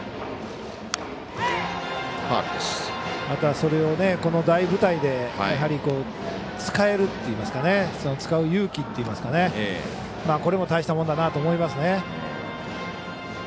また、それをこの大舞台で使えるっていいますか使う勇気といいますかこれも大したものだなと思いますね。